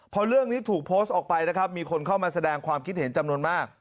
พอเรื่องนี้ถูกโพสต์ออกไปนะครับมีคนเข้ามาแสดงความคิดเห็นจำนวนมาก